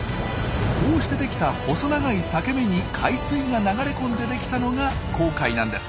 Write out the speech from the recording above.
こうして出来た細長い裂け目に海水が流れ込んで出来たのが紅海なんです。